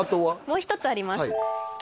もう一つありますあら